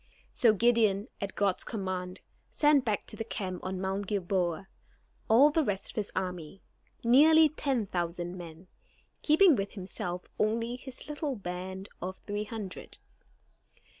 So Gideon, at God's command, sent back to the camp on Mount Gilboa all the rest of his army, nearly ten thousand men, keeping with himself only his little band of three hundred.